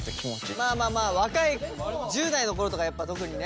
まあまあまあ若い１０代の頃とかやっぱ特にね。